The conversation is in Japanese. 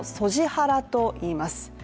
ハラといいます。